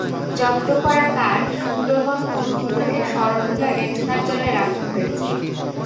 জব্দ করা কাঠ সুন্দরবন পূর্ব বিভাগের শরণখোলা রেঞ্জ কার্যালয়ে রাখা হয়েছে।